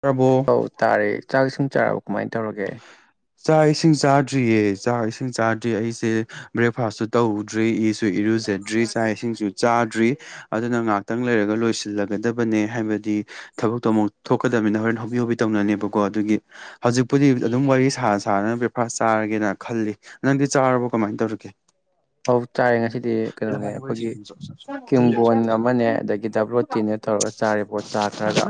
ꯄ꯭ꯔꯕꯣ ꯑꯧ ꯇꯥꯔꯦ ꯆꯥꯛ ꯏꯁꯤꯡ ꯆꯥꯔꯕ ꯀꯃꯥꯏꯅ ꯇꯧꯔꯒꯦ ꯆꯥꯛ ꯏꯁꯤꯡ ꯆꯥꯗ꯭ꯔꯤꯌꯦ ꯆꯥꯛ ꯏꯁꯤꯡ ꯆꯥꯗ꯭ꯔꯤ ꯑꯩꯁꯦ ꯕ꯭ꯔꯦꯛꯐꯥꯁꯁꯨ ꯇꯧꯗ꯭ꯔꯤ ꯏꯁꯨ ꯏꯔꯨꯖꯗ꯭ꯔꯤ ꯆꯥꯛ ꯏꯁꯤꯡꯁꯨ ꯆꯥꯗ꯭ꯔꯤ ꯑꯗꯨꯅ ꯉꯥꯛꯇꯪ ꯂꯩꯔꯒ ꯂꯣꯏꯁꯤꯜꯂꯒꯗꯕꯅꯦ ꯍꯥꯏꯕꯗꯤ ꯊꯕꯛꯇꯣ ꯑꯃꯨꯛ ꯊꯣꯛꯀꯗꯝꯅꯤꯅ ꯍꯣꯔꯦꯟ ꯍꯣꯕꯦ ꯍꯣꯕꯦ ꯇꯧꯅꯅꯦꯕꯀꯣ ꯑꯗꯨꯒꯤ ꯍꯧꯖꯤꯛꯄꯨꯗꯤ ꯑꯗꯨꯝ ꯋꯥꯔꯤ ꯁꯥ ꯁꯥꯅ ꯕ꯭ꯔꯦꯛꯐꯥꯁ ꯆꯥꯔꯒꯦꯅ ꯈꯜꯂꯤ ꯅꯪꯗꯤ ꯆꯥꯔꯕꯣ ꯀꯃꯥꯏꯅ ꯇꯧꯔꯒꯦ ꯑꯧ ꯆꯥꯏ ꯉꯁꯤꯗꯤ ꯀꯩꯅꯣꯅꯦ ꯑꯩꯈꯣꯏꯒꯤ ꯀꯤꯝꯕꯣꯟ ꯑꯃꯅꯦ ꯑꯗꯒꯤ ꯗꯕ꯭ꯂꯣꯇꯤꯅꯦ ꯇꯧꯔꯒ ꯆꯥꯔꯤꯕꯣ ꯆꯥ ꯈꯔꯒ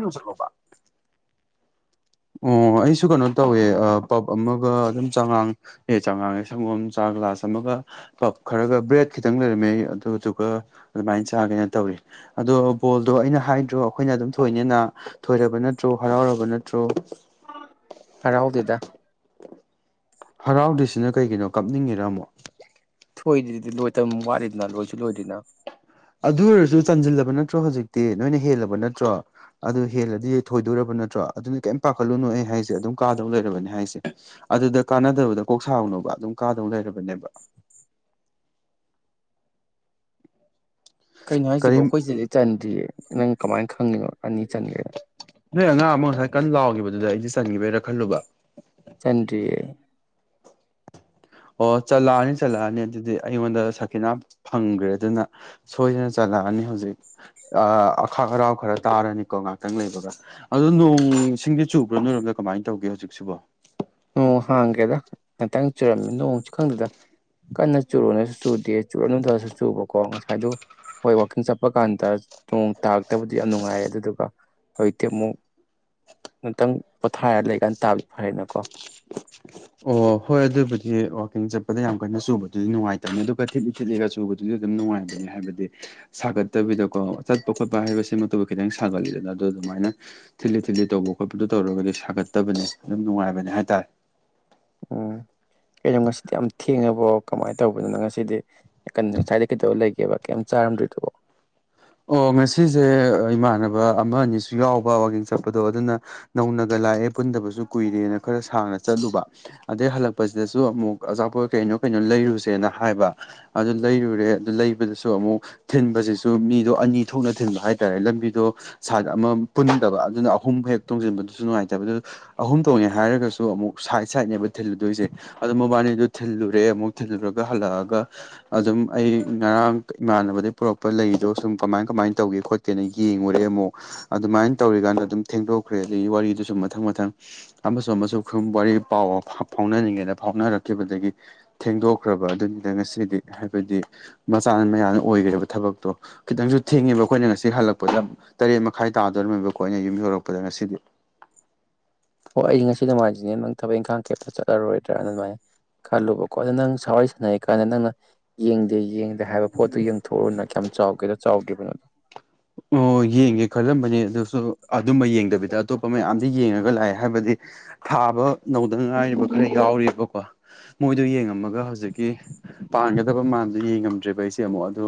ꯑꯣ ꯑꯩꯁꯨ ꯀꯩꯅꯣ ꯇꯧꯋꯦ ꯑ ꯄꯞ ꯑꯃꯒ ꯑꯗꯨꯝ ꯆꯉꯥꯡ ꯍꯦ ꯆꯥꯡꯉꯥꯡꯉꯦ ꯁꯪꯒꯣꯝ ꯆꯥ ꯒ꯭ꯂꯥꯁ ꯑꯃꯒ ꯄꯞ ꯈꯔꯒ ꯕ꯭ꯔꯦꯗ ꯈꯤꯇꯪ ꯂꯩꯔꯝꯃꯦ ꯑꯗꯨꯗꯨꯒ ꯑꯗꯨꯃꯥꯏꯅ ꯆꯥꯒꯦꯅ ꯇꯧꯔꯤ ꯑꯗꯣ ꯕꯣꯜꯗꯣ ꯑꯩꯅ ꯍꯥꯏꯗ꯭ꯔꯣ ꯑꯩꯈꯣꯏꯅ ꯑꯗꯨꯝ ꯊꯣꯏꯅꯦꯅ ꯊꯣꯏꯔꯕ ꯅꯠꯇ꯭ꯔꯣ ꯍꯔꯥꯎꯔꯕ ꯅꯠ ꯇ꯭ꯔꯣ ꯍꯔꯥꯎꯗꯦꯗ ꯍꯔꯥꯎꯗꯤꯁꯤꯅ ꯀꯩꯒꯤꯅꯣ ꯀꯞꯅꯤꯡꯉꯤꯔꯥ ꯑꯃꯨꯛ ꯊꯣꯏꯗ꯭ꯔꯤꯗꯤ ꯂꯣꯏꯇꯝ ꯋꯥꯠꯂꯤꯗꯅ ꯂꯣꯏꯁꯨ ꯂꯣꯏꯔꯤꯗꯅ ꯑꯗꯨ ꯑꯣꯏꯔꯁꯨ ꯆꯟꯁꯤꯜꯂꯕ ꯅꯠꯇ꯭ꯔꯣ ꯍꯧꯖꯤꯛꯇꯤ ꯅꯣꯏꯅ ꯍꯦꯜꯂꯕ ꯅꯠꯇ꯭ꯔꯣ ꯑꯗꯨ ꯍꯦꯜꯂꯗꯤ ꯊꯣꯏꯗꯣꯔꯕ ꯅꯠꯇ꯭ꯔꯣ ꯑꯗꯨꯅ ꯀꯔꯤꯝ ꯄꯥꯈꯠꯂꯨꯅꯨ ꯑꯩ ꯍꯥꯏꯁꯦ ꯑꯗꯨꯝ ꯀꯥꯗꯧ ꯂꯩꯔꯕꯅꯦ ꯍꯥꯏꯁꯦ ꯑꯗꯨꯗ ꯀꯥꯟꯅꯗꯕꯗ ꯀꯣꯛꯁꯥꯎꯅꯣꯕ ꯑꯗꯨꯝ ꯀꯥꯗꯧ ꯂꯩꯔꯕꯅꯦꯕ ꯀꯩꯅꯣ ꯍꯥꯏꯁꯤꯕꯣ ꯀꯔꯤꯝ ꯑꯩꯈꯣꯏ ꯁꯤꯗꯤ ꯆꯟꯗ꯭ꯔꯤꯌꯦ ꯅꯪ ꯀꯃꯥꯏꯅ ꯈꯪꯉꯤꯅꯣ ꯑꯅꯤ ꯆꯟꯒ꯭ꯔꯦ ꯅꯣꯏ ꯑꯉꯥꯡ ꯑꯃ ꯉꯁꯥꯏ ꯀꯟꯅ ꯂꯥꯎꯈꯤꯕꯗꯨꯗ ꯑꯩꯗꯤ ꯆꯟꯈꯤꯕꯩꯔ ꯈꯜꯂꯨꯕ ꯆꯟꯗ꯭ꯔꯤꯌꯦ ꯑꯣ ꯆꯠꯂꯛꯑꯅꯤ ꯆꯠꯂꯛꯑꯅꯤ ꯑꯗꯨꯗꯤ ꯑꯩꯉꯣꯟꯗ ꯁꯈꯤꯅꯥ ꯐꯪꯈ꯭ꯔꯦ ꯑꯗꯨꯅ ꯁꯣꯏꯗꯅ ꯆꯠꯂꯛꯑꯅꯤ ꯍꯧꯖꯤꯛ ꯑꯥ ꯑꯈꯥꯛ ꯑꯔꯥꯎ ꯈꯔ ꯇꯥꯔꯅꯤꯀꯣ ꯉꯥꯏꯍꯥꯛꯇꯪ ꯂꯩꯕꯒ ꯑꯗꯣ ꯅꯣꯡ ꯁꯤꯡꯗꯤ ꯆꯨꯕ꯭ꯔꯣ ꯅꯣꯏꯔꯣꯝꯗ ꯀꯃꯥꯏꯅ ꯇꯧꯒꯦ ꯍꯧꯖꯤꯛꯁꯤꯕꯣ ꯅꯣꯡ ꯍꯥꯡꯒꯦꯗ ꯉꯥꯛꯇꯪ ꯆꯨꯔꯝꯃꯤ ꯅꯣꯡꯁꯨ ꯈꯪꯗꯗ ꯀꯟꯅ ꯆꯨꯔꯣꯅꯁꯨ ꯆꯨꯗꯦ ꯆꯨꯔꯅꯨꯗꯔꯁꯨ ꯆꯨꯕꯀꯣ ꯉꯁꯥꯏꯗꯨ ꯍꯣꯏ ꯋꯥꯛꯀꯤꯡ ꯆꯠꯄ ꯀꯥꯟꯗ ꯅꯣꯡ ꯇꯥꯔꯛꯇꯕꯨꯗꯤ ꯌꯥꯝ ꯅꯨꯡꯉꯥꯏꯌꯦ ꯑꯗꯨꯗꯨꯒ ꯍꯧꯖꯤꯛꯇꯤ ꯑꯃꯨꯛ ꯉꯇꯪ ꯄꯣꯊꯥꯔ ꯂꯩꯀꯥꯟ ꯇꯥꯕ ꯐꯔꯦꯅꯀꯣ ꯑꯣ ꯍꯣꯏ ꯑꯗꯨꯕꯨꯗꯤ ꯋꯥꯋꯀꯤꯡ ꯆꯠꯄꯗ ꯌꯥꯝ ꯀꯟꯅ ꯆꯨꯕꯗꯨꯗꯤ ꯅꯨꯡꯉꯥꯏꯇꯕꯅꯤ ꯑꯗꯨꯒ ꯊꯂꯤ ꯊꯤꯠꯂꯤꯒ ꯆꯨꯕꯗꯨꯁꯨ ꯑꯗꯨꯝ ꯅꯨꯡꯉꯥꯏꯕꯅꯤ ꯍꯥꯏꯕꯗꯤ ꯁꯥꯒꯠꯇꯕꯤꯗꯀꯣ ꯆꯠꯄ ꯈꯣꯠꯄ ꯍꯥꯏꯕꯁꯤꯃꯛꯇꯗ ꯈꯤꯇꯪ ꯁꯥꯒꯠꯂꯤꯗꯅ ꯑꯗꯨꯗꯣ ꯑꯗꯨꯃꯥꯏꯅ ꯊꯤꯠꯂꯤ ꯊꯤꯠꯂꯤ ꯇꯧꯕ ꯈꯣꯠꯄꯗꯣ ꯇꯧꯔꯒꯗꯤ ꯁꯥꯒꯠꯇꯕꯅꯤ ꯑꯗꯨꯝ ꯅꯨꯡꯉꯥꯏꯕꯅꯦ ꯍꯥꯏꯇꯥꯔꯦ ꯎꯝ ꯀꯩꯅꯣ ꯉꯁꯤꯗꯤ ꯌꯥꯝ ꯊꯦꯡꯉꯕꯣ ꯀꯃꯥꯏꯅ ꯇꯧꯕꯅꯤꯅ ꯉꯁꯤꯗꯤ ꯀꯩꯅꯣ ꯉꯁꯥꯏꯗ ꯀꯩꯗꯧꯕ ꯂꯩꯒꯦꯕ ꯀꯩꯝ ꯆꯥꯔꯝꯗꯣꯏꯗꯨꯕꯣ ꯑꯣ ꯉꯁꯤꯁꯦ ꯏꯃꯥꯟꯅꯕ ꯑꯃ ꯑꯅꯤꯁꯨ ꯌꯥꯎꯕ ꯋꯥꯌꯦꯡ ꯆꯠꯄꯗꯣ ꯑꯗꯨꯅ ꯅꯧꯅꯒ ꯂꯥꯛꯑꯦ ꯄꯨꯟꯗꯕꯁꯨ ꯀꯨꯏꯔꯦꯅ ꯈꯔ ꯁꯥꯡꯅ ꯆꯠꯂꯨꯕ ꯑꯗꯩ ꯍꯜꯂꯛꯄꯁꯤꯗꯁꯨ ꯑꯃꯨꯛ ꯑꯆꯥꯄꯣꯠ ꯀꯩꯅꯣ ꯀꯩꯅꯣ ꯂꯩꯔꯨꯁꯦꯅ ꯍꯥꯏꯕ ꯑꯗꯨ ꯂꯩꯔꯨꯔꯦ ꯑꯗꯨ ꯂꯩꯕꯗꯁꯨ ꯑꯃꯨꯛ ꯊꯤꯟꯕꯁꯤꯁꯨ ꯃꯤ ꯑꯅꯤ ꯊꯣꯛꯅ ꯊꯤꯟꯕ ꯍꯥꯏꯇꯥꯔꯦ ꯂꯝꯕꯤꯗꯣ ꯁꯠ ꯑꯃ ꯄꯨꯟꯗꯕ ꯑꯗꯨꯅ ꯑꯍꯨꯝ ꯍꯦꯛ ꯇꯣꯡꯁꯤꯟꯕꯗꯨꯁꯨ ꯅꯨꯡꯉꯥꯏꯇꯕ ꯑꯗꯨ ꯑꯍꯨꯝ ꯇꯧꯅꯦ ꯍꯥꯏꯔꯒꯁꯨ ꯑꯃꯨꯛ ꯁꯥꯏꯠ ꯁꯥꯏꯠꯅꯦꯕ ꯊꯤꯜꯂꯨꯗꯣꯏꯁꯦ ꯑꯗꯨ ꯃꯕꯥꯅꯤꯗꯨ ꯊꯤꯜꯂꯨꯔꯦ ꯑꯃꯨꯛ ꯊꯤꯜꯂꯨꯔꯒ ꯍꯜꯂꯛꯑꯒ ꯑꯗꯨꯝ ꯑꯩ ꯉꯔꯥꯡ ꯏꯃꯥꯟꯅꯕꯗꯒꯤ ꯄꯨꯔꯛꯄ ꯂꯩꯗꯣ ꯁꯨꯝ ꯀꯃꯥꯏ ꯀꯃꯥꯏꯅ ꯇꯧꯒꯦ ꯈꯣꯠꯀꯦꯅ ꯌꯦꯡꯉꯨꯔꯦ ꯑꯃꯨꯛ ꯑꯗꯨꯃꯥꯏꯅ ꯇꯧꯔꯤꯀꯥꯟꯗ ꯑꯗꯨꯝ ꯊꯦꯡꯗꯣꯛꯈ꯭ꯔꯦ ꯑꯗꯨꯒꯤ ꯋꯥꯔꯤꯗꯨꯁꯨ ꯃꯊꯪ ꯃꯊꯪ ꯑꯃꯁꯨ ꯑꯃꯁꯨ ꯋꯥꯔꯤ ꯄꯥꯎ ꯐꯥꯎꯅꯔꯤꯉꯩꯗ ꯐꯥꯎꯅꯔꯛꯈꯤꯕꯗꯒꯤ ꯊꯦꯡꯗꯣꯛꯈ꯭ꯔꯕ ꯑꯗꯨꯅꯤꯅ ꯉꯁꯤꯗꯤ ꯍꯥꯏꯕꯗꯤ ꯃꯆꯥꯅ ꯃꯌꯥꯝꯅ ꯑꯣꯏꯈ꯭ꯔꯦꯕ ꯊꯕꯛꯇꯣ ꯈꯤꯇꯪꯁꯨ ꯊꯤꯡꯉꯦꯕ ꯑꯩꯈꯣꯏꯅ ꯉꯁꯤ ꯍꯜꯂꯛꯄꯗ ꯇꯔꯦꯠ ꯃꯈꯥꯏ ꯇꯥꯗꯧꯔꯤꯝꯃꯦꯕꯀꯣ ꯑꯩꯅ ꯌꯨꯝ ꯌꯧꯔꯛꯄꯗ ꯉꯁꯤꯗꯤ ꯍꯣꯏ ꯑꯩꯗꯤ ꯉꯁꯤ ꯅꯨꯡꯉꯥꯏꯁꯤꯅꯦ ꯅꯪ ꯊꯕꯛ ꯏꯪꯈꯥꯡ ꯀꯦꯞꯇ ꯆꯠꯂꯔꯣꯏꯗ꯭ꯔꯥ ꯑꯗꯨꯃꯥꯏꯅ ꯈꯜꯂꯨꯕꯀꯣ ꯑꯗꯨ ꯅꯪ ꯁꯋꯥꯔꯤ ꯁꯥꯟꯅꯔꯤꯀꯥꯟꯗ ꯅꯪꯅ ꯌꯦꯡꯗꯦ ꯌꯦꯡꯗꯦ ꯍꯥꯏꯕ ꯄꯣꯠꯇꯨ ꯌꯦꯡꯊꯣꯛꯎꯨꯅ ꯀꯌꯥꯝ ꯆꯥꯎꯒꯦꯗꯣ ꯆꯥꯎꯗ꯭ꯔꯤꯕꯅꯣꯗꯣ [inaudible] ꯑꯣ ꯌꯦꯡꯒꯦ ꯈꯜꯂꯝꯕꯅꯦ ꯑꯗꯨꯁꯨ ꯑꯗꯨꯝꯕ ꯌꯦꯡꯗꯕꯤꯗ ꯑꯇꯣꯞꯄ ꯃꯌꯥꯝꯗꯤ ꯌꯦꯡꯉꯒ ꯂꯥꯛꯑꯦ ꯍꯥꯏꯕꯗꯤ ꯊꯥꯕ ꯅꯧꯗ ꯉꯥꯏꯔꯤꯕ ꯈꯔ ꯌꯥꯎꯔꯤꯕꯀꯣ ꯃꯣꯏꯗꯣ ꯌꯦꯡꯉꯝꯃꯒ ꯍꯧꯖꯤꯛꯀꯤ ꯄꯥꯟꯒꯗꯕ ꯃꯥꯟꯗꯣ ꯌꯦꯡꯉꯝꯗ꯭ꯔꯦꯕ ꯑꯩꯁꯦ ꯑꯃꯨꯛ ꯑꯗ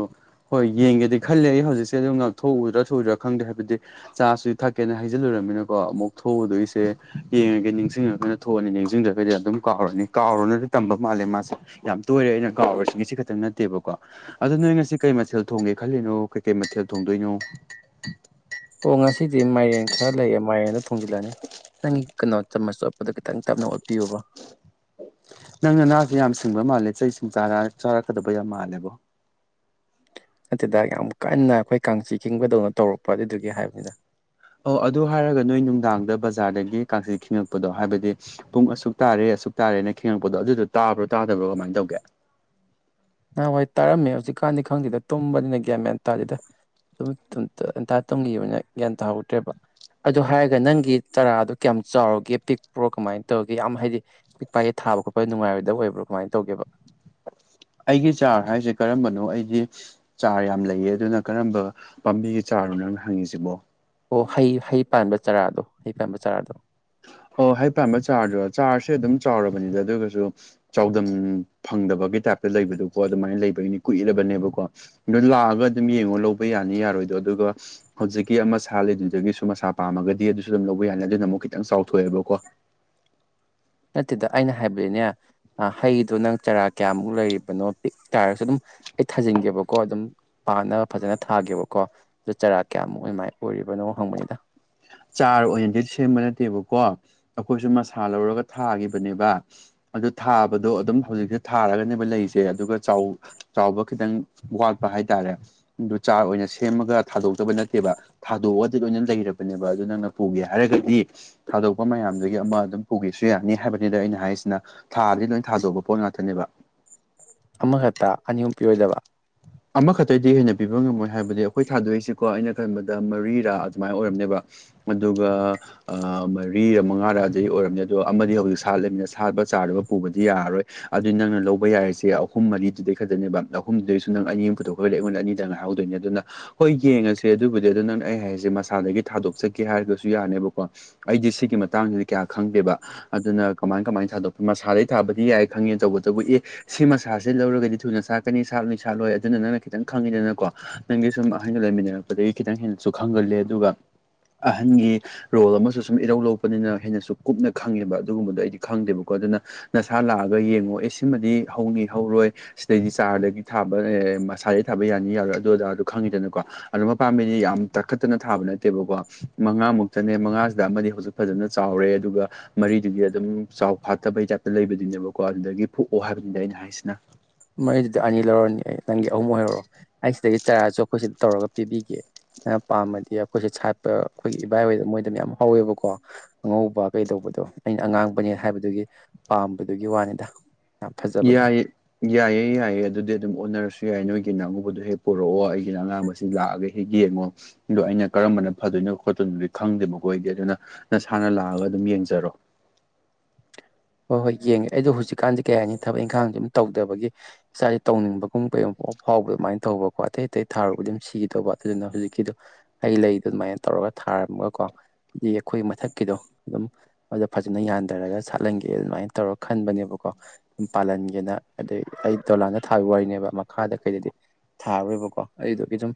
ꯍꯣꯏ ꯌꯦꯡꯒꯦꯗꯤ ꯈꯜꯂꯦ ꯑꯩ ꯍꯧꯖꯤꯛꯁꯦ ꯑꯗꯨꯝ ꯊꯣꯛꯎꯗ꯭ꯔꯥ ꯁꯨꯗ꯭ꯔꯥ ꯈꯪꯗꯦ ꯍꯥꯏꯕꯗꯤ ꯆꯥꯁꯨ ꯊꯛꯀꯦꯅ ꯍꯩꯖꯤꯜꯂꯨꯨꯔꯃꯤꯅꯀꯣ ꯑꯃꯨꯛ ꯊ ꯊꯣꯛꯎꯗꯣꯏꯁꯦ ꯌꯦꯡꯉꯒ ꯅꯤꯡꯁꯤꯡꯉꯅꯤꯅ ꯊꯣꯛꯑꯅꯤ ꯅꯤꯡꯁꯤꯡꯗ꯭ꯔꯒꯗꯤ ꯑꯗꯨꯝ ꯀꯥꯎꯔꯅꯤ ꯀꯥꯎꯔꯅꯗꯤ ꯇꯝꯕ ꯃꯥꯜꯂꯦ ꯃꯥꯁꯦ ꯌꯥꯝ ꯇꯣꯏꯔꯦ ꯑꯩꯅ ꯀꯒꯥꯎꯔꯁꯤꯡꯁꯤ ꯈꯛꯇꯪ ꯅꯠꯇꯦꯕꯀꯣ ꯑꯗ ꯅꯣꯏ ꯉꯁꯤ ꯀꯩ ꯃꯊꯦꯜ ꯊꯣꯡꯒꯦ ꯈꯜꯂꯤꯅꯣ ꯀꯩꯀꯩ ꯃꯊꯦꯜ ꯊꯣꯡꯗꯣꯏꯅꯣ ꯑꯣ ꯉꯁꯤꯗꯤ ꯃꯥꯏꯔꯦꯟ ꯈꯔ ꯂꯩꯌꯦ ꯃꯥꯏꯔꯦꯟꯗ ꯊꯣꯡꯖꯤꯜꯂꯅꯤ ꯅꯪꯒꯤ ꯀꯩꯅꯣ ꯆꯃꯁ ꯑꯣꯠꯄꯗꯣ ꯈꯤꯇꯪ ꯇꯞꯅ ꯑꯣꯠꯄꯤꯌꯨꯕ ꯅꯪꯅ ꯅꯅꯥꯁꯦ ꯌꯥꯝ ꯁꯤꯡꯕ ꯃꯥꯜꯂꯦ ꯆꯩꯁꯤꯡ ꯆꯥꯔꯛꯀꯗꯕ ꯌꯥꯝ ꯃꯥꯜꯂꯦꯕꯣ ꯅꯠꯇꯦꯗ ꯌꯥꯝ ꯀꯟꯅ ꯑꯩꯈꯣꯏ ꯀꯥꯡꯆꯤ ꯤꯡꯕꯗꯧꯅ ꯇꯧꯔꯛꯄ ꯑꯗꯨꯏꯗꯨꯒꯤ ꯍꯥꯏꯕꯅꯤꯗ ꯑꯣ ꯑꯗꯨ ꯍꯥꯏꯔꯒ ꯅꯣꯏ ꯅꯨꯡꯗꯥꯡꯗ ꯕꯖꯥꯔꯗꯒꯤ ꯀꯥꯡꯛꯆꯠ ꯈꯤꯉꯛꯄꯗꯣ ꯍꯥꯏꯕꯗꯤ ꯄꯨꯡ ꯑꯁꯨꯛ ꯇꯥꯔꯦ ꯑꯁꯨꯛ ꯇꯥꯔꯦꯅ ꯈꯦꯡꯉꯛꯄꯗꯣ ꯑꯗꯨꯗꯣ ꯇꯥꯕ꯭ꯔꯣ ꯇꯥꯗꯕ꯭ꯔꯣ ꯀꯃꯥꯏꯅ ꯇꯧꯒꯦ ꯅꯍꯥꯟꯋꯥꯏ ꯇꯔꯝꯃꯦ ꯍꯧꯖꯤꯛꯀꯥꯟꯗꯤ ꯈꯪꯗꯦꯗ ꯇꯨꯝꯕꯅꯤꯅ ꯒꯋꯥꯟ ꯃꯦꯟ ꯇꯥꯗꯦꯗ ꯑꯗꯨꯟꯇꯥ ꯇꯨꯝꯒꯤꯕꯅ ꯒ꯭ꯌꯥꯟ ꯇꯥꯍꯧꯗ꯭ꯔꯦꯕ ꯑꯗꯨꯗ ꯍꯥꯏꯔꯒ ꯅꯪꯒꯤ ꯆꯔꯥꯗꯣ ꯀꯌꯥꯝ ꯆꯥꯎꯔꯒꯦ ꯄꯤꯛꯄ꯭ꯔꯣ ꯀꯃꯥꯏꯅ ꯇꯧꯒꯦ ꯌꯥꯝ ꯍꯥꯏꯗꯤ ꯄꯛ ꯄꯥꯏꯑ ꯊꯕ ꯈꯣꯠꯄ ꯉꯥꯏꯔꯣꯏꯕ ꯑꯣꯏꯕ꯭ꯔꯣ ꯀꯃꯥꯏꯅ ꯇꯧꯦꯕ ꯑꯩꯒꯤ ꯆꯥꯔ ꯍꯥꯏꯁꯦ ꯀꯔꯝꯕꯅꯣ ꯑꯩꯗꯤ ꯆꯥꯔ ꯌꯥꯝ ꯂꯩꯌꯦ ꯑꯗꯨꯅ ꯀꯔꯝꯕ ꯄꯥꯝꯕꯤꯒꯤ ꯆꯥꯔꯅꯣ ꯅꯪꯅ ꯍꯪꯉꯤꯁꯤꯕꯣ ꯑꯣ ꯍꯩ ꯍꯩ ꯄꯥꯟꯕ ꯆꯔꯥꯗꯣ ꯍꯩ ꯄꯥꯟꯕ ꯆꯔꯥꯗꯣ ꯑꯣ ꯍꯥꯏ ꯄꯥꯝꯕ ꯆꯥꯔꯖꯗꯣ ꯆꯥꯔꯖꯁꯦ ꯑꯗꯨꯝ ꯆꯥꯎꯔꯕꯅꯤꯗ ꯑꯗꯨꯒꯁꯨ ꯆꯗꯝ ꯐꯪꯗꯕꯒꯤ ꯇꯥꯏꯞꯇ ꯂꯩꯕꯗꯨꯣꯀꯣ ꯑꯗꯨꯃꯥꯏꯅ ꯂꯩꯕꯒꯤꯅꯤ ꯀꯨꯏꯔꯕꯅꯦꯕꯀꯣ ꯑꯗꯨ ꯂꯥꯛꯑꯒ ꯑꯗꯨꯝ ꯌꯦꯡꯉꯣ ꯂꯧꯕ ꯌꯥꯅꯤ ꯌꯥꯔꯣꯏꯗꯣ ꯑꯗꯨꯒ ꯍꯧꯖꯤꯛꯀꯤ ꯑꯃ ꯁꯥ ꯂꯩꯗꯨꯗꯒꯤꯁꯨ ꯃꯁꯥ ꯄꯥꯝꯃꯒꯗꯤ ꯑꯗꯨꯁꯨ ꯑꯗꯨꯝ ꯂꯧꯕ ꯌꯥꯅꯤ ꯑꯗꯨꯅ ꯑꯃꯨꯛ ꯈꯤꯇꯪ ꯆꯥꯎꯊꯣꯛꯑꯦꯕꯀꯣ ꯅꯠꯇꯦꯗ ꯑꯩꯅ ꯍꯥꯏꯕꯗꯤꯅꯦ ꯍꯩꯗꯣ ꯅꯪ ꯆꯔꯥ ꯀꯌꯥꯃꯨꯛ ꯂꯩꯔꯤꯕꯅꯣ ꯄꯤꯛ ꯇꯥꯔꯁꯨ ꯑꯗꯨꯝ ꯑꯩ ꯊꯥꯖꯤꯟꯒꯦꯕꯀꯣ ꯑꯗꯨꯝ ꯄꯥꯛꯅ ꯐꯖꯥꯅ ꯊꯥꯒꯦꯕꯀꯣ ꯑꯗꫭ ꯆꯔꯥ ꯀꯌꯥꯃꯨꯛ ꯑꯗꯨꯃꯥꯏꯅ ꯑꯣꯏꯔꯤꯕꯅꯣ ꯍꯪꯕꯅꯤꯗ ꯆꯥꯔ ꯑꯣꯏꯅꯗꯤ ꯁꯦꯝꯕ ꯅꯠꯇꯦꯕꯀꯣ ꯑꯩꯈꯣꯏꯁꯨ ꯃꯁꯥ ꯂꯧꯔꯒ ꯊꯥꯈꯤꯕꯅꯦꯕ ꯑꯗꯨ ꯊꯥꯕꯗꯣ ꯑꯗꯨꯝ ꯍꯧꯖꯤꯛꯁꯦ ꯊꯥꯔꯒꯅꯦꯕ ꯂꯩꯁꯦ ꯑꯗꯨꯒ ꯆꯥꯎ ꯆꯥꯎꯕ ꯈꯤꯇꯪ ꯋꯥꯠꯄ ꯍꯥꯏꯇꯥꯔꯦ ꯑꯗꯨ ꯆꯥꯔ ꯑꯣꯏꯅ ꯁꯦꯝꯃꯒ ꯊꯥꯗꯣꯛꯇꯕ ꯅꯠꯇꯦꯕ ꯊꯥꯗꯣꯛꯑꯗꯤ ꯂꯣꯏꯅ ꯂꯩꯔꯕꯅꯦꯕ ꯑꯗꯨ ꯅꯪꯅ ꯄꯨꯒꯦ ꯍꯥꯏꯔꯒꯗꯤ ꯊꯥꯗꯣꯛꯄ ꯃꯌꯥꯝꯗꯨꯒꯤ ꯑꯃ ꯑꯗꯨꯝ ꯄꯨꯒꯦꯁꯨ ꯌꯥꯅꯤ ꯍꯥꯏꯕꯅꯤꯗ ꯑꯩꯅ ꯍꯥꯏꯁꯤꯅ ꯊꯥꯗꯤ ꯂꯣꯏ ꯊꯥꯗꯣꯛꯄ ꯄꯣꯠ ꯉꯥꯛꯇꯅꯦꯕ ꯑꯃꯈꯛꯇ ꯑꯅꯤ ꯑꯍꯨꯝ ꯄꯤꯔꫭꯏꯗꯕ ꯑꯃꯈꯛꯇꯗꯤ ꯍꯦꯟꯅ ꯄꯤꯕ ꯉꯝꯃꯣꯏ ꯍꯥꯏꯕꯗꯤ ꯑꯩꯈꯣꯏ ꯊꯥꯗꯣꯛꯏꯁꯤꯀꯣ ꯑꯩꯅ ꯈꯟꯕꯗ ꯃꯔꯤꯔꯥ ꯑꯗꯨꯃꯥꯏꯅ ꯑꯣꯏꯔꯝꯅꯦꯕ ꯑꯗꯨꯒ ꯑꯥ ꯃꯔꯤꯔ ꯃꯉꯥꯔꯗꯤ ꯑꯣꯏꯔꯝꯅꯤ ꯑꯗꯣ ꯑꯃꯗꯤ ꯍꯧꯖꯤꯛ ꯁꯥꯠꯂꯤꯕꯅꯤꯅ ꯁꯥꯠꯄ ꯆꯥꯔꯗꯨꯒ ꯄꯨꯕꯗꯤ ꯌꯥꯔꯔꯣꯏ ꯑꯗꯨ ꯅꯪꯅ ꯂꯧꯕ ꯌꯥꯔꯤꯁꯦ ꯑꯍꯨꯝ ꯃꯔꯤꯗꯨꯗꯤ ꯈꯛ ꯑꯗꯨꯅꯦꯕ ꯑꯍꯨꯝꯗꯩꯁꯨ ꯅꯪ ꯑꯅꯤ ꯑꯃ ꯄꯨꯊꯣꯛꯈ꯭ꯔꯗꯤ ꯑꯩꯉꯣꯟꯗ ꯑꯅꯤꯗꯪ ꯉꯥꯏꯍꯧꯗꯣꯏꯅꯦ ꯑꯗꯨꯅ ꯍꯣꯏ ꯌꯦꯡꯉꯁꯦ ꯑꯗꯨꯕꯨꯗꯤ ꯑꯗꯣ ꯅꯪꯅ ꯑꯩ ꯍꯥꯏꯁꯦ ꯃꯁꯥꯗꯒꯤ ꯊꯥꯗꯣꯛꯆꯒꯦ ꯍꯥꯏꯔꯒꯁꯨ ꯌꯥꯅꯦꯕꯀꯣ ꯑꯩꯗꯤ ꯁꯤꯒꯤ ꯃꯇꯥꯡꯁꯤꯗꯤ ꯀꯌꯥ ꯈꯪꯗꯦꯕ ꯑꯗꯨꯅ ꯀꯃꯥꯏ ꯀꯃꯥꯏ ꯊꯥꯗꯣꯛꯇꯨꯏ ꯃꯁꯥꯗꯩ ꯊꯥꯕꯗꯤ ꯌꯥꯏ ꯈꯪꯉꯦ ꯇꯧꯕꯇꯕꯨ ꯑꯦ ꯁꯤ ꯃꯁꯥꯁꯦ ꯂꯧꯔꯒꯗꯤ ꯊꯨꯅ ꯁꯥꯥꯛꯀꯅꯤ ꯁꯥꯠꯂꯅꯤ ꯁꯥꯠꯂꯣꯏ ꯑꯗꯨꯅ ꯅꯪꯅ ꯈꯤꯇꯪ ꯈꯪꯉꯤꯗꯅꯀꯣ ꯅꯪꯒꯤ ꯁꯨꯝ ꯑꯍꯒ ꯂꯩꯃꯤꯟꯅꯔꯛꯄꯗꯒꯤ ꯈꯤꯇꯪ ꯍꯦꯟꯅꯁꯨ ꯈꯪꯒꯂꯦ ꯑꯗꯨꯒ ꯑꯍꯟꯒꯤ ꯔꯣꯜ ꯑꯃꯁꯨ ꯁꯨꯝ ꯏꯔꯧ ꯂꯧꯕꯅꯤꯅ ꯍꯦꯟꯅꯁꯨ ꯀꯨꯞꯅ ꯈꯪꯉꯦꯕ ꯑꯗꯨꯒꯨꯝꯕꯗꯣ ꯑꯩꯗꯤ ꯈꯪꯗꯦꯕꯀꯣ ꯑꯗꯨꯅ ꯅꯁꯥ ꯂꯥꯛꯑꯒ ꯌꯦꯡꯉꯣ ꯑꯦ ꯁꯤꯃꯗꯤ ꯍꯧꯅꯤ ꯍꯧꯔꯣꯏ ꯁꯤꯗꯩꯗꯤ ꯆꯥꯔꯗꯒꯤ ꯊꯥꯕ ꯃꯁꯥꯗꯩ ꯊꯥꯕ ꯌꯥꯅꯤ ꯌꯥꯔꯣꯏ ꯑꯗꯨ ꯑꯗꯥ ꯈꯪꯉꯤꯗꯅꯀꯣ ꯑꯗꯨ ꯃꯄꯥꯝꯕꯤꯗꯤ ꯌꯥꯝ ꯇꯛꯈꯠꯇꯅ ꯊꯥꯕ ꯅꯠꯇꯦꯕꯀꯣ ꯃꯉꯥ ꯃꯨꯛꯇꯅꯦ ꯃꯉꯥꯁꯤꯗ ꯑꯃꯗꯤ ꯍꯧꯖꯤꯛ ꯐꯖꯅ ꯆꯥꯎꯔꯦ ꯑꯗꯨꯒ ꯃꯔꯤꯗꯨꯗꯤ ꯑꯗꯨꯝ ꯆꯥꯎ ꯐꯥꯠꯇꯕꯩ ꯇꯥꯏꯞꯇ ꯂꯩꯕꯗꯨꯅꯦꯕꯀꯣ ꯑꯗꯨꯗꯒꯤ ꯄꯣꯛꯑꯣ ꯍꯥꯏꯕꯅꯤꯗ ꯑꯩꯅ ꯍꯥꯏꯁꯤꯅ ꯃꯔꯤꯗꯨꯗꯒꯤ ꯑꯅꯤ ꯂꯧꯔꯅꯤ ꯑꯩ ꯅꯪꯒꯤ ꯑꯍꯨꯝ ꯑꯣꯏꯍꯩꯔꫭ ꯑꯩ ꯁꯤꯗꯒꯤ ꯆꯔꯥꯁꯨ ꯑꯩꯈꯣꯏ ꯁꯤꯗ ꯇꯧꯔꯒ ꯄꯤꯕꯤꯒꯦ ꯅꯪ ꯄꯥꯝꯃꯗꯤ ꯑꯩꯈꯣꯏꯁꯦ ꯁꯥꯠꯄ ꯑꯩꯈꯣꯏꯒꯤ ꯏꯕꯥꯏ ꯍꯣꯏꯗ ꯃꯣꯏꯗ ꯃꯌꯥꯝ ꯍꯧꯋꯦꯕꯀꯣ ꯑꯉꯧꯕ ꯀꯩꯗꯧꯕꯗꯣ ꯑꯩꯅ ꯑꯉꯥꯡꯕꯅꯦ ꯍꯥꯏꯕꯗꯨꯒꯤ ꯄꯥꯝꯕꯗꯨꯒꯤ ꯋꯥꯅꯤꯗ ꯌꯥꯝ ꯐꯖꯕꯗꯣ ꯌꯥꯏꯌꯦ ꯌꯥꯏꯌꯦ ꯌꯥꯏꯌꯦ ꯑꯗꯨꯗꯤ ꯑꯗꯨꯝ ꯑꯣꯟꯅꯔꯁꯨ ꯌꯥꯏ ꯅꯣꯏꯒꯤꯅ ꯑꯉꯨꯕꯗꯣ ꯍꯦꯛ ꯄꯨꯔꯛꯑꯣ ꯑꯩꯒꯤꯅ ꯑꯉꯥꯡꯕꯁꯤ ꯂꯥꯛꯑꯒꯦ ꯍꯦꯛ ꯌꯦꯡꯉꯣ ꯑꯗꯣ ꯑꯩꯅ ꯀꯔꯝꯕꯅ ꯐꯗꯣꯏꯅꯣ ꯈꯣꯠꯇꯣꯏꯅꯣꯗꯤ ꯈꯪꯗꯦꯕꯈꯣꯏꯗꯤ ꯑꯗꯨꯅ ꯅꯁꯥꯅ ꯂꯥꯛꯑꯒ ꯑꯗꯨꯝ ꯌꯦꯡꯖꯔꯣ ꯍꯣꯏ ꯍꯣꯏ ꯌꯦꯡꯉꯦ ꯑꯩꯗꯣ ꯍꯧꯖꯤꯛꯀꯥꯟꯗꯤ ꯀꯌꯥ ꯍꯥꯏꯅꯤ ꯊꯕꯛ ꯏꯪꯈꯥꯡꯁꯦ ꯑꯃꯇꯥ ꯇꯧꯗꯕꯒꯤ ꯏꯁꯥꯁꯦ ꯇꯧꯅꯤꯡꯕꯒꯨꯝ [unintelligible] ꯐꯥꯎꯕ ꯑꯗꯨꯃꯥꯏꯅ ꯇꯧꯕꯀꯣ ꯑꯇꯩ ꯑꯇꯩ ꯊꯥꯔꯨꯕ ꯑꯗꯨꯝ ꯁꯤꯒꯦ ꯇꯧꯕ ꯑꯗꯨꯅ ꯍꯧꯖꯤꯛꯀꯤꯗꯣ ꯑꯩ ꯂꯩꯗꯣ ꯑꯗꯨꯃꯥꯏꯅ ꯇꯧꯔꯒ ꯊꯥꯔꯝꯃꯒꯀꯣ ꯗꯤ ꯑꯩꯈꯣꯏ ꯃꯊꯛꯀꯤꯗꯣ ꯑꯗꯨꯝ ꯑꯗ ꯐꯖꯅ ꯌꯥꯟꯊꯔꯒ ꯁꯥꯠꯍꯟꯒꯦ ꯑꯦ ꯑꯗꯨꯃꯥꯏꯅ ꯇꯧꯔ ꯈꯟꯕꯅꯦꯕꯀꯣ ꯄꯥꯜꯍꯟꯒꯦꯅ ꯑꯗꯩ ꯑꯩ ꯗꯣꯂꯥꯟꯗ ꯊꯥꯕ ꯋꯥꯔꯤꯅꯦꯕ ꯃꯈꯥꯗ ꯀꯩꯗꯗꯤ ꯊꯥꯔ ꯔꯣꯏꯕꯀꯣ ꯑꯩꯗꫭ ꯏꯗꯨꯝ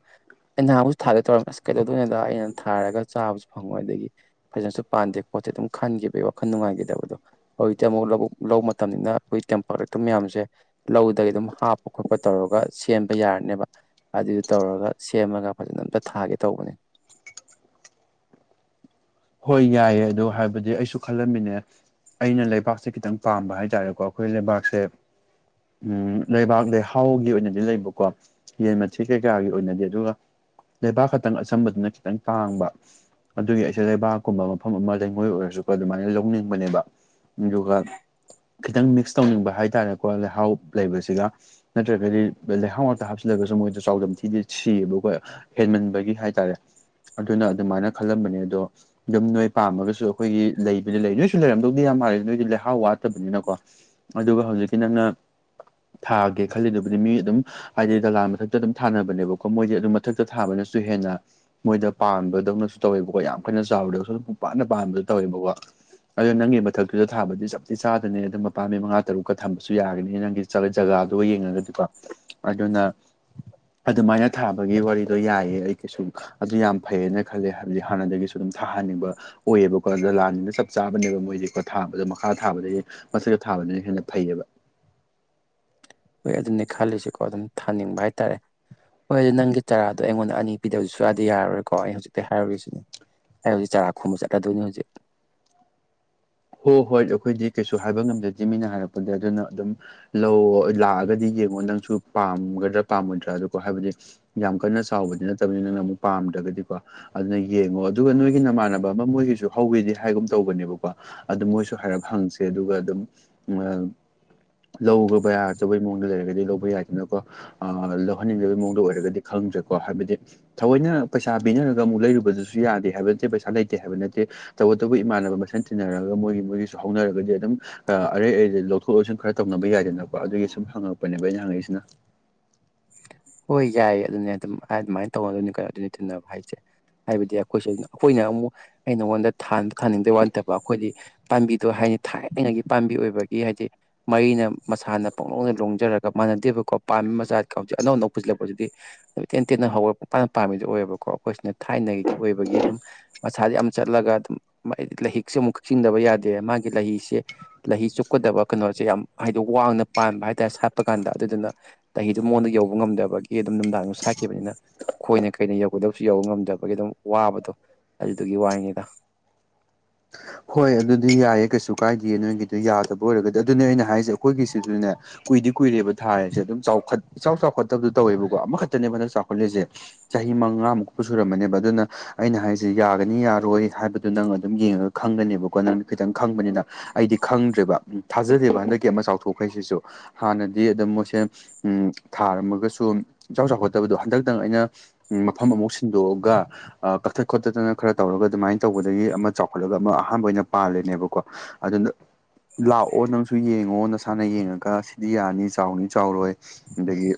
ꯑꯩ ꯅꯍꯥꯟꯃꯨꯛꯁꯨ ꯊꯥꯗ ꯇꯧꯔꯝꯃꯦ ꯑꯁ ꯀꯩꯗꯧꯗꯣꯏꯅꫭꯗ ꯑꯩꯅ ꯊꯥꯔꯒ ꯆꯥꯕꯁꯨ ꯐꯪꯉꯣꯏ ꯑꯗꯥꯒꯤ ꯐꯖꯅꯁꯨ ꯄꯥꯟꯗꯦ ꯄꯣꯠꯁꯦ ꯑꯗꯨꯝ ꯈꯟꯈꯤꯕꯒꯤ ꯋꯥꯈꯜ ꯅꯨꯡꯉꯥꯏꯈꯤꯗꯕꯗꯣ ꯍꯧꯖꯤꯛꯇꯤ ꯑꯃꯨꯛ ꯂꯧꯕꯛ ꯂꯧꯕ ꯃꯇꯝꯅꯤꯅ ꯑꯩꯈꯣꯏ ꯇꯦꯝꯄꯥꯔꯦꯛꯇꯔ ꯃꯌꯥꯝꯁꯦ ꯂꯧꯗꯒꯤ ꯑꯗꯨꯝ ꯍꯥꯞꯄ ꯈꯣꯠꯄ ꯇꯧꯔꯒ ꯁꯦꯝꯕ ꯌꯥꯔꯅꯦꯕ ꯑꯗꯨꯗꯨ ꯇꯧꯔꯒ ꯁꯦꯝꯃꯒ ꯐꯖꯅ ꯑꯝꯇ ꯊꯥꯒꯦ ꯇꯧꯕꯅꯦ ꯍꯣꯏ ꯌꯥꯏꯌꯦ ꯑꯗ ꯍꯥꯏꯕꯗꯤ ꯑꯩꯁꯨ ꯈꯜꯂꯝꯃꯤꯅꯦ ꯑꯩꯅ ꯂꯩꯕꯥꯛꯁꯦ ꯈꯤꯇꯪ ꯄꯥꯝꯕ ꯍꯥꯏꯇꯥꯥꯔꯦꯀꯣ ꯑꯩꯈꯣꯏ ꯂꯩꯕꯥꯛꯁꯦ ꯎꯝ ꯂꯩꯕꯥꯛ ꯂꯩꯍꯥꯎꯒꯤ ꯑꯣꯏꯅꯗꯤ ꯂꯩꯕꯀꯣ ꯌꯦꯟ ꯃꯊ ꯀꯩꯀꯥꯒꯤ ꯑꯣꯏꯅꯗꯤ ꯑꯗꯨꯒ ꯂꯩꯕꯥꯛ ꯈꯛꯇꯪ ꯑꯆꯝꯕꯗꯨꯅ ꯈꯤꯇꯪ ꯇꯥꯡꯕ ꯑꯗꯨꯒꯤ ꯑꯩ ꯁꯤ ꯂꯩꯕꯥꯛꯀꯨꯝꯕ ꯃꯐꯝ ꯑꯃ ꯂꯩꯉꯣꯏ ꯑꯣꯏꯔꯁꯨ ꯑꯗꯨꯃꯥꯏꯅ ꯂꯧꯅꯤꯡꯕꯅꯦꯕ ꯑꯗꯨꯒ ꯈꯤꯇꯪ ꯃꯤꯛꯁ ꯇꯧꯅꯤꯡꯕ ꯍꯥꯏꯇꯥꯔꯦꯀꯣ ꯂꯩꯍꯥꯎ ꯂꯩꯕꯁꯤꯒ ꯅꯠꯇ꯭ꯔꯒꯗꯤ ꯂꯩꯍꯥꯎꯃꯇ ꯍꯥꯞꯆꯤꯜꯂꯒꯁꯨ ꯃꯣꯏꯗ ꯆꯥꯎꯗꯝ ꯊꯤꯗꯣꯏ ꯁꯤꯌꯦꯕ ꯑꯩꯈꯣꯏ ꯍꯦꯟꯃꯟꯕꯒꯤ ꯍꯥꯏꯇꯥꯔꯦ ꯑꯗꯨꯅ ꯑꯗꯨꯃꯥꯏꯅ ꯈꯜꯂꯝꯕꯅꯦ ꯑꯗꯣ ꯑꯗꯨꯝ ꯅꯣꯏ ꯄꯥꯝꯃꯒꯁꯨ ꯑꯩꯈꯣꯏꯒꯤ ꯂꯩꯕꯗꯤ ꯂꯩ ꯅꯣꯏꯁꯨ ꯂꯩꯔꯝꯗꯧꯗꯤ ꯌꯥꯝ ꯍꯔꯦ ꯅꯣꯏꯗꯤ ꯂꯩꯍꯥꯎ ꯋꯥꯠꯇꯕꯅꯤꯅꯀꯣ ꯑꯗꯨꯒ ꯍꯧꯖꯤꯛꯀꯤ ꯅꯪꯅ ꯊꯥꯒꯦ ꯈꯜꯂꯤꯗꯨꯕꯨꯗꯤ ꯃꯤ ꯑꯗꯨꯝ ꯍꯥꯏꯗꯤ ꯗꯂꯥ ꯃꯊꯛꯇ ꯑꯗꯨꯝ ꯊꯥꯅꯕꯅꯦꯕꯀꯣ ꯃꯣꯏꯗꯤꯦ ꯑꯗꯨꯝ ꯃꯊꯛꯇ ꯊꯥꯕꯅꯁꯨ ꯍꯦꯟꯅ ꯃꯣꯏꯗ ꯄꯥꯟꯕꯗꯧꯅꯁꯨ ꯇꯧꯋꯦꯕꯀꯣ ꯌꯥꯝ ꯀꯟꯅ ꯆꯥꯎꯔꯨꯗꯧꯁꯨ ꯑꯗꯨꯝꯨꯡ ꯄꯥꯅ ꯄꯥꯟꯕꯥꯗꯣ ꯇꯧꯋꯦꯕꯀꯣ ꯑꯗꯨꯣ ꯅꯪꯒꯤ ꯃꯊꯛꯇꯨꯗ ꯊꯥꯕꯗꯤ ꯆꯞꯇꯤ ꯆꯥꯗꯅꯦ ꯑ ꯑꯗꯨꯝ ꯃꯄꯥ ꯃꯤ ꯃꯉꯥ ꯇꯔꯨꯛꯀ ꯊꯝꯕꯁꯨ ꯌꯥꯒꯅꯤ ꯅꯪꯒꯤ ꯆꯠꯂ ꯖꯒꯥꯗꯨꯒ ꯌꯦꯡꯉꯒꯗꯤꯀꯣ ꯑꯗꯨꯅ ꯑꯗꯨꯃꯥꯏꯅ ꯊꯥꯕꯒꯤ ꯋꯥꯔꯤꯗꯣ ꯌꯥꯏꯑ ꯑꯩ ꯀꯩꯁꯨ ꯑꯗꯨ ꯌꯥꯝ ꯐꯩꯌꯦꯅ ꯈꯜꯂꯦ ꯍꯥꯏꯕꯗꯤ ꯍꯥꯟꯅꯗꯒꯤꯁꯨ ꯑꯗꯨꯝ ꯊꯥꯍꯟꯅꯤꯡꯕ ꯑꯣꯏꯌꯦꯕꯀꯣ ꯑꯗ ꯂꯥꯟꯅꯤꯅ ꯆꯞ ꯆꯥꯕꯅꯦꯕ ꯃꯣꯏꯁꯦꯀꯣ ꯊꯥꯕꯗꯣ ꯃꯈꯥ ꯊꯥꯕꯗꯒꯤ ꯃꯊꯛꯀ ꯊꯥꯕꯅꯤꯅ ꯍꯦꯟꯅ ꯐꯩꯌꯦꯕ ꯍꯣꯏ ꯑꯗꯨꯅꯤ ꯈꯜꯂꯤꯁꯤꯀꯣ ꯑꯗꯨꯝ ꯊꯥꯅꯤꯡꯕ ꯍꯥꯏꯇꯥꯔꯦ ꯍꯣꯏ ꯑꯗꯨ ꯅꯪꯒꯤ ꯆꯔꯥꯗꯣ ꯑꯩꯉꯣꯟꯗ ꯑꯅꯤ ꯄꯤꯗꯕꯁꯨ ꯌꯥꯗꯤ ꯌꯥꯔꯔꯣꯏꯀꯣ ꯑꯩ ꯍꯧꯖꯤꯛꯇꯤ ꯍꯥꯏꯔꯨꯔꯤꯁꯤꯅꯦ ꯑꯩ ꯍꯧꯖꯤꯛ ꯆꯔꯥ ꯈꯣꯝꯕ ꯆꯠꯂꯗꯣꯏꯅꯤ ꯍꯧꯖꯤꯛ ꯍꯣꯏ ꯍꯣꯏ ꯑꯩꯈꯣꯏꯗꯤ ꯀꯩꯁꯨ ꯍꯥꯏꯕ ꯉꯝꯗꯗꯦ ꯃꯤꯅ ꯍꯥꯏꯔꯛꯄꯗ ꯑꯗꯨꯅ ꯑꯗꯨꯝ ꯂꯧ ꯂꯥꯛꯑꯒꯗꯤ ꯌꯦꯡꯉꯣ ꯅꯪꯁꯨ ꯄꯥꯝꯒꯗ꯭ꯔꯥ ꯄꯥꯝꯃꯣꯏꯗ꯭ꯔꯥ ꯑꯗꯨꯣ ꯍꯥꯏꯕꯗꯤ ꯌꯥꯝ ꯀꯟꯅ ꯆꯥꯎꯕꯗꯤ ꯅꯠꯇꯕꯅꯤ ꯅꯪꯅ ꯑꯃꯨꯛ ꯄꯥꯝꯗ꯭ꯔꯒꯗꯤꯀꯣ ꯑꯗꯨꯅ ꯌꯦꯡꯉꯣ ꯑꯗꯨꯒ ꯅꯣꯏꯒꯤ ꯅꯃꯥꯟꯅꯕ ꯑꯃ ꯃꯣꯏꯒꯤꯁꯨ ꯍꯧꯋꯤꯗꯤ ꯍꯥꯏꯒꯨꯝ ꯇꯧꯕꯅꯦꯕꯀꯣ ꯑꯗꯨ ꯃꯣꯏꯁꯨ ꯍꯥꯏꯔꯞ ꯍꯪꯁꯦ ꯑꯗꯨꯒ ꯑꯗꯨꯝ ꯎ ꯂꯧꯈ꯭ꯔꯕ ꯌꯥ ꯑꯆꯧꯕꯩ ꯃꯑꯣꯡꯗ ꯂꯩꯔꯒꯗꯤ ꯂꯧꯕ ꯌꯥꯏꯗꯅꯀꯣ ꯑ ꯂꯧꯍꯟꯅꯤꯡꯗꯕꯩ ꯃꯑꯣꯡꯗ ꯑꯣꯏꯔꯒꯗꯤ ꯈꯪꯗ꯭ꯔꯦꯀꯣ ꯍꯥꯏꯕꯗꯤ ꯊꯑꯣꯏꯅ ꯄꯩꯁꯥ ꯄꯤꯅꯔꯒ ꯑꯃꯨꯛ ꯂꯩꯔꯨꯕꯗꯨꯁꯨ ꯌꯥꯗꯦ ꯍꯥꯏꯕ ꯅꯠꯇꯦ ꯄꯩꯁꯥ ꯂꯩꯇꯦ ꯍꯥꯏꯕ ꯅꯠꯇꯦ ꯇꯧꯕꯇꯕꯨ ꯏꯃꯥꯟꯅꯕ ꯃꯁꯦꯟ ꯇꯤꯟꯅꯔꯒ ꯃꯣꯏꯒꯤ ꯃꯣꯏꯒꯤꯁꯨ ꯍꯧꯅꯔꯒꯗꯤ ꯑꯗꯨꯝ ꯑꯔꯩ ꯂꯧꯊꯣꯛ ꯂꯧꯁꯤꯟ ꯈꯔ ꯇꯧꯅꯕ ꯌꯥꯏꯗꯅꯀꯣ ꯑꯗꯨꯒꯤ ꯁꯨꯝ ꯍꯪꯉꯛꯄꯅꯦꯕ ꯑꯩꯅ ꯍꯪꯉꯛꯏꯁꯤꯅ ꯍꯣꯏ ꯌꯥꯏꯌꯦ ꯑꯗꯨꯅꯦ ꯑꯗꯨꯝ ꯑꯗꯨꯃꯥꯏꯅ ꯇꯧꯅꯗꯣꯏꯅꯤ ꯀꯩꯅꯣ ꯑꯗꯨꯅꯤ ꯇꯤꯟꯅꯕ ꯍꯥꯏꯁꯦ ꯍꯥꯏꯕꯗꯤ ꯑꯩꯈꯣꯏꯁꯨ ꯑꯩꯈꯣꯏꯅ ꯑꯃꯨꯛ ꯑꯩ ꯅꯉꯣꯟꯗ ꯊꯥꯅꯤꯡꯗꯕ ꯋꯥ ꯅꯠꯇꯕ ꯑꯩꯈꯣꯏꯗꯤ ꯄꯥꯝꯕꯤꯗꯣ ꯍꯥꯏꯅꯤ ꯊꯥꯏꯅꯒꯤ ꯄꯥꯝꯕꯤ ꯑꯣꯏꯕꯒꯤ ꯍꯥꯏꯗꯤ ꯃꯩꯅ ꯃꯁꯥꯅ ꯄꯣꯛꯅꯧꯅ ꯂꯣꯡꯖꯔꯒ ꯃꯥꯟꯅꯗꯦꯕꯀꯣ ꯄꯥꯝꯃꯤ ꯃꯆꯥꯗ ꯀꯁꯦ ꯑꯅꯧ ꯑꯅꯧ ꯄꯨꯁꯤꯜꯂꯛꯄꯁꯤꯗꯤ ꯏ ꯇꯦꯟ ꯇꯦꯟꯅ ꯍꯧꯔꯒꯄꯥꯅ ꯄꯥꯝꯃꯤꯗꯨ ꯑꯣꯏꯌꯦꯕꯀꯣ ꯑꯩꯈꯣꯏꯁꯤꯅ ꯊꯥꯏꯅꯒꯤ ꯑꯣꯏꯕꯒꯤ ꯑꯗꯨꯝ ꯃꯁꯥꯗꯤ ꯌꯥꯝ ꯆꯠꯂꯒ ꯑꯗꯨꯝ ꯍꯥꯏꯗꯤ ꯂꯩꯍꯤꯛꯁꯦ ꯑꯃꯨꯛ ꯀꯛꯆꯤꯡꯗꯕ ꯌꯥꯗꯦ ꯃꯥꯒꯤ ꯂꯩꯁꯦ ꯂꯩꯍꯤ ꯆꯨꯞꯀꯗꯕ ꯀꯩꯅꯣꯁꯦ ꯌꯥꯝ ꯍꯥꯏꯗꯤ ꯋꯥꯡꯅ ꯄꯥꯟꯕ ꯍꯥꯏꯇꯥꯔꯦ ꯁꯥꯠꯄ ꯀꯥꯟꯗ ꯑꯗꯨꯗꯨꯅ [unintelligible] ꯃꯉꯣꯟꯗ ꯌꯧꯕ ꯉꯝꯗꯕꯒꯤ ꯑꯗꯨꯝ ꯅꯨꯡꯗꯥꯡꯁꯨ ꯁꯥꯈꯤꯕꯅꯤꯅ ꯈꯣꯏꯅ ꯀꯩꯅ ꯌꯧꯒꯗꯕꯁꯨ ꯌꯧꯕ ꯉꯝꯗꯕꯒꯤ ꯑꯗꯨꯝ ꯋꯥꯕꯗꯣ ꯑꯗꯨꯗꯨꯒꯤ ꯋꯥꯔꯤꯅꯤꯗ ꯍꯣꯏ ꯑꯗꯨꯗꯤ ꯌꯥꯏꯌꯦ ꯀꯩꯁꯨ ꯀꯥꯏꯗꯦ ꯅꯣꯏꯒꯤꯗꯣ ꯌꯥꯗꯕ ꯑꯣꯏꯔꯒꯗꯤ ꯑꯗꯨꯅꯦ ꯑꯩꯅ ꯍꯥꯏꯁꯦ ꯑꯩꯈꯣꯏꯒꯤꯁꯤꯗꯨꯅꯦ ꯀꯨꯏꯗꯤ ꯀꯨꯏꯔꯦꯕ ꯊꯥꯔꯁꯦ ꯑꯗꯨꯝ ꯆꯥꯎꯈꯠ ꯏꯆ ꯆꯥꯎꯈꯠꯇꯕꯗꯨ ꯇꯧꯋꯦꯕꯀꯣ ꯑꯃꯈꯛꯇꯅꯦꯕ ꯃꯟꯗꯛ ꯆꯥꯎꯈꯠꯂꯤꯁꯦ ꯆꯍꯤ ꯃꯉꯥꯃꯨꯛꯄꯨ ꯁꯨꯔꯃꯅꯦꯕ ꯑꯗꯨꯅ ꯑꯩꯅ ꯍꯥꯏꯔꯤꯁꯦ ꯌꯥꯒꯅꯤ ꯌꯥꯔꯣꯏ ꯍꯥꯏꯕꯗꯣ ꯅꯪ ꯑꯗꯨꯝ ꯌꯦꯡꯉꯒ ꯈꯪꯒꯅꯦꯕꯀꯣ ꯅꯪꯅ ꯈꯤꯇꯪ ꯈꯪꯕꯅꯤꯅ ꯑꯩꯗꯤ ꯈꯪꯗ꯭ꯔꯦꯕ ꯊꯥꯖꯗꯦꯕ ꯍꯟꯗꯛꯀꯤ ꯑꯃ ꯆꯥꯎꯊꯣꯛꯈ ꯍꯥꯏꯁꯤꯁꯨ ꯍꯥꯟꯅꯗꯤ ꯑꯗꯨꯝ ꯃꯣꯏꯁꯦ ꯎ ꯊꯥꯔꯝꯃꯒꯁꯨ ꯏꯆ ꯆꯥꯎꯈꯠꯇꯕꯗꯣ ꯍꯟꯗꯛꯇꯪ ꯑꯩꯅ ꯎ ꯃꯐꯝ ꯑꯃꯨꯛ ꯁꯤꯟꯗꯣꯛꯑꯒ ꯀꯛꯊꯠ ꯈꯣꯠꯇꯠꯇꯅ ꯈꯔ ꯇꯧꯔꯒ ꯑꯗꯨꯃꯥꯏꯅ ꯇꯧꯕꯗꯒꯤ ꯑꯃ ꯆꯥꯎ ꯈꯣꯠꯂꯒ ꯑꯃ ꯑꯍꯥꯟꯕ ꯑꯣꯏꯅ ꯄꯥꯜꯂꯦꯅꯦꯕꯀꯣ ꯑꯗꯨꯅ ꯂꯥꯛꯑꯣ ꯅꯪꯁꯨ ꯌꯦꯡꯉꯣ ꯅꯁꯥꯅ ꯌꯦꯡꯉꯒ ꯁꯤꯗꯤ ꯌꯥꯅꯤ ꯆꯥꯎꯅꯤ ꯆꯥꯎꯔꯣꯏ ꯑꯗꯒꯤ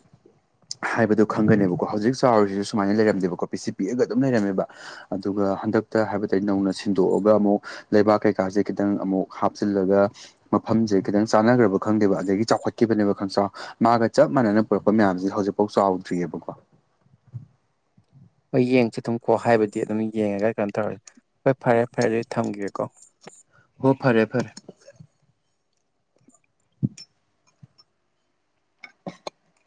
ꯍꯥꯏꯕꯗꯣ ꯈꯪꯒꯅꯦꯕꯀꯣ ꯍꯧꯖꯤꯛ ꯆꯥꯎꯔꯤꯁꯤꯁꯨ ꯁꯨꯃꯥꯏꯅ ꯂꯩꯔꯝꯗꯦꯕꯀꯣ ꯄꯤꯁꯤ ꯄꯤꯛꯒ ꯑꯗꯨꯝꯔꯝꯃꯦꯕ ꯑꯗꯨꯒ ꯍꯟꯗꯛꯇ ꯍꯥꯏꯕ ꯇꯥꯏ ꯅꯧꯅ ꯁꯤꯟ ꯍꯗꯣꯛꯑꯒ ꯑꯃꯨꯛ ꯂꯩꯕꯥꯛ ꯀꯩꯀꯥꯁꯦ ꯈꯤꯇꯪ ꯑꯃꯨꯛ ꯍꯥꯞꯆꯤꯜꯂꯒ ꯃꯐꯝꯁꯦ ꯈꯤꯇꯪ ꯆꯥꯟꯅꯈ꯭ꯔꯕ ꯈꯪꯗꯦꯕ ꯑꯗꯒꯤ ꯆꯥꯎꯈꯠꯈꯤꯕꯅꯦꯕ ꯈꯪꯁꯥ ꯃꯥꯒ ꯆꯞ ꯃꯥꯟꯅꯅ ꯄꯨꯔꯛꯄ ꯃꯌꯥꯝꯁꯤ ꯍꯧꯖꯤꯛꯐꯥꯎ ꯆꯥꯎꯗ꯭ꯔꯤꯑꯕꯀꯣ ꯍꯣꯏ ꯌꯦꯡꯁꯤ ꯑꯗꯨꯝ ꯀꯣ ꯍꯥꯏꯕꯗꯤ ꯑꯗꯨꯝ ꯌꯦꯡꯉꯒ ꯀꯩꯅꯣ ꯇꯧꯔꯁꯤꯦ ꯍꯣꯏ ꯐꯔꯦ ꯐꯔꯦ ꯑꯗꯨꯗꯤ ꯊꯝꯒꯦꯀꯣ ꯍ ꯐꯔꯦ ꯐꯔꯦ [unintelligible] [unintelligible]